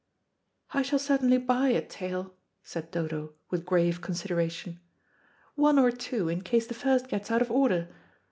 "I shall certainly buy a tail," said Dodo, with grave consideration. "One or two, in case the first gets out of order.